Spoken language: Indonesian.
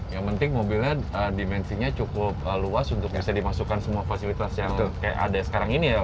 yang penting mobilnya dimensinya cukup luas untuk bisa dimasukkan semua fasilitas yang kayak ada sekarang ini ya